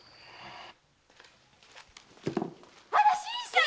あら新さん！